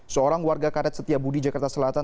seorang warga karet setiabudi jakarta selatan